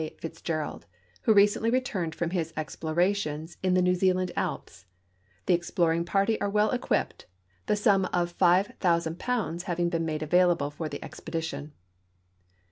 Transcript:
Fitz gerald, who recently returned from his explorations in the New Zealand alps. The exploring party are well equipped, the sum of £5,000 having been made available for the expedition.